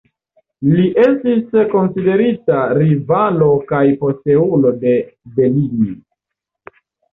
Li estis konsiderita rivalo kaj posteulo de Bellini.